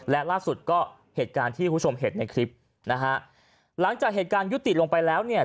และล่าสุดก็เหตุการณ์ที่คุณผู้ชมเห็นในคลิปนะฮะหลังจากเหตุการณ์ยุติลงไปแล้วเนี่ย